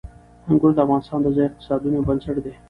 انګور د افغانستان د ځایي اقتصادونو یو بنسټ دی.